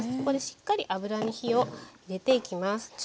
ここでしっかり油に火を入れていきます。